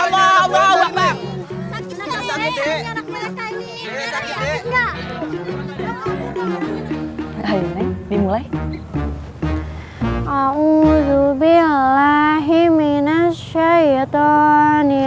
wabarakatuh eh jangan lari lahilah ya allah wabarakatuh